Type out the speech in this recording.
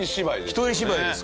一人芝居です